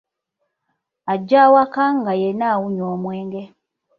Ajja awaka nga yenna awunya omwenge.